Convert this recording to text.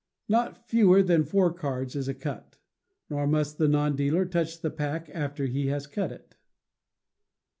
Not fewer than four cards is a cut; nor must the non dealer touch the pack after he has cut it.